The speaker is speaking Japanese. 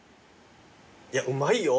いやうまいよ。